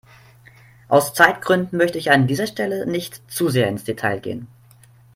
Aus Zeitgründen möchte ich an dieser Stelle nicht zu sehr ins Detail gehen.